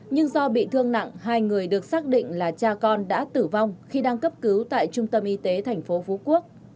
nhưng do bị thương nặng hai người được xác định là cha con đã tử vong khi đang cấp cứu tại trung tâm y tế tp phú quốc